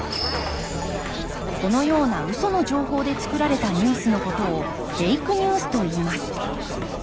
このようなウソの情報でつくられたニュースのことをフェイクニュースといいます。